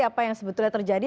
apa yang sebetulnya terjadi